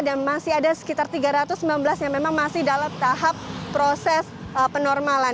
dan masih ada sekitar tiga ratus sembilan belas yang memang masih dalam tahap proses penormalan